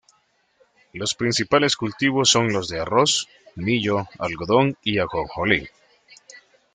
Los principales cultivos son los de arroz, millo, algodón y ajonjolí.